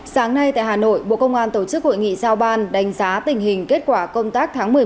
sáng nay tại hà nội bộ công an tổ chức hội nghị giao ban đánh giá tình hình kết quả công tác tháng một mươi một